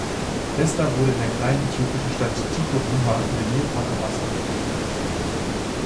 Desta wurde in der kleinen äthiopischen Stadt Tiqur Wuha in der Nähe von Awassa geboren.